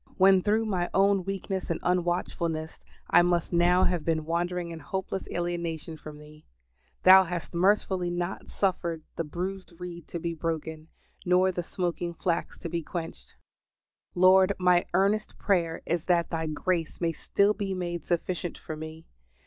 When through my own weakness and unwatchfulness I must now have been wandering in hopeless alienation from Thee, Thou hast mercifully not suffered the bruised reed to be broken, nor the smoking flax to be quenched. Lord, my earnest prayer is that Thy grace may still be made sufficient for me.